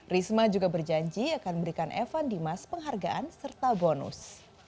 risma juga berjanji akan memberikan evan dimas penghargaan serta bonus